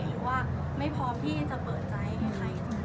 หรือว่าไม่พร้อมที่จะเปิดใจกับใคร